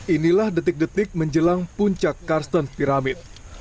inilah detik detik menjelang puncak kartens piramid